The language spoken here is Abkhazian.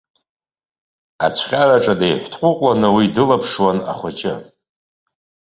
Ацәҟьараҿы деиҳәҭҟәыҟәлан уи дылаԥшуан ахәыҷы.